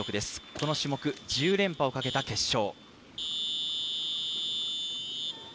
この種目、１０連覇をかけた決勝。